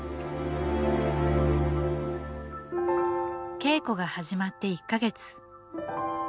稽古が始まって１か月。